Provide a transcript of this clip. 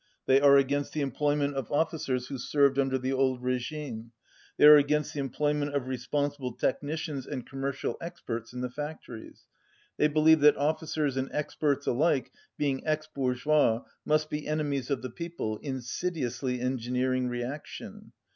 They are against the employment of officers who served under the old regime. They are against the em ployment of responsible technicians and commer cial experts in the factories. They believe that officers and experts alike, being ex bourgeois, must be enemies of the people, insidiously engineering reaction.